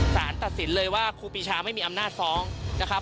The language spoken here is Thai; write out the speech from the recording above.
สารตัดสินเลยว่าครูปีชาไม่มีอำนาจฟ้องนะครับ